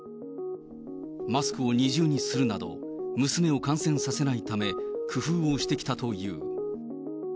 マスクを二重にするなど、娘を感染させないため、工夫をしてきたという。